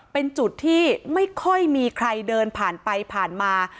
เป็นจุดที่ไม่ค่อยมีใครเดินผ่านไปผ่านมา